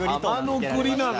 浜の栗なの？